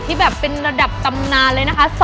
ที่แบบเป็นระดับตำนานเลยนะคะ